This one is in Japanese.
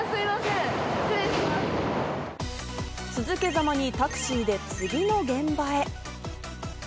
続けざまにタクシーで次の現場へ。